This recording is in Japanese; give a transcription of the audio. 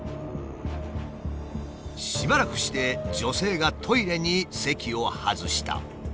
しばらくして女性がトイレに席を外した。